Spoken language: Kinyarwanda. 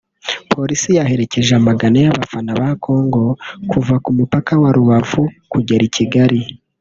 Polisi yaherekeje amagana y’abafana ba Kongo kuva ku mupaka wa Rubavu kugera I Kigali